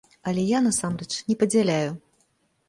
Але я, насамрэч, не падзяляю.